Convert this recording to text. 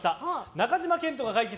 中島健人が解決！